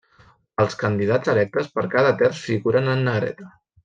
Els candidats electes per cada terç figuren en negreta.